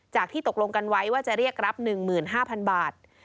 ที่ตกลงกันไว้ว่าจะเรียกรับ๑๕๐๐๐บาท